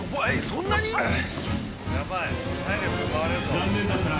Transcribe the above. ◆残念だったな！